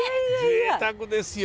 ぜいたくですよ。